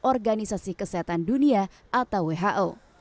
organisasi kesehatan dunia atau who